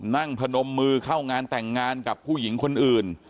พนมมือเข้างานแต่งงานกับผู้หญิงคนอื่น